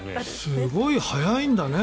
すごい速いんだね。